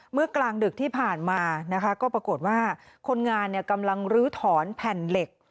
กลางดึกที่ผ่านมานะคะก็ปรากฏว่าคนงานกำลังลื้อถอนแผ่นเหล็ก